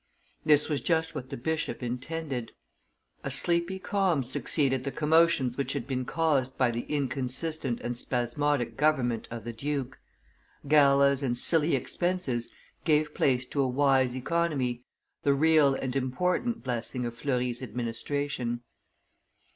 This was just what the bishop intended; a sleepy calm succeeded the commotions which had been caused by the inconsistent and spasmodic government of the duke; galas and silly expenses gave place to a wise economy, the real and important blessing of Fleury's administration.